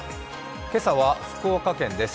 今朝は福岡県です。